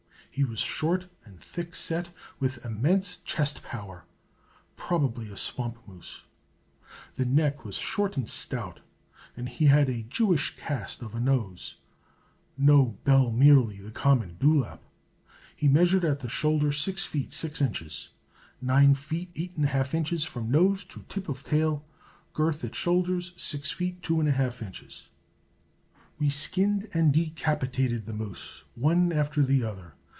He was short and thickset, with immense chest power probably a swamp moose. The neck was short and stout, and he had a Jewish cast of nose. No bell merely the common dewlap. He measured at the shoulder 6 feet 6 inches; 9 feet 8 1/2 inches from nose to tip of tail; girth at shoulders, 6 feet 2 1/2 inches. We skinned and decapitated the moose, one after the other.